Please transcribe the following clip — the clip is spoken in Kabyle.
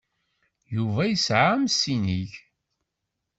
Yuba yesɛa amsineg.